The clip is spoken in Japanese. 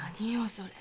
それ。